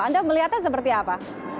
anda melihatnya seperti apa